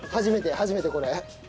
初めてこれ。